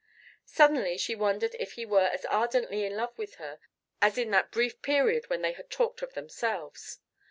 Suddenly she wondered if he were as ardently in love with her as in that brief period when they had talked of themselves.